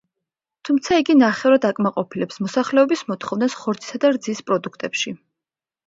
თუმცა იგი ნახევრად აკმაყოფილებს მოსახლეობის მოთხოვნას ხორცისა და რძის პროდუქტებში.